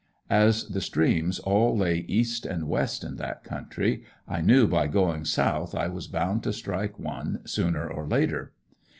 As the streams all lay east and west in that country, I knew by going south I was bound to strike one sooner or later.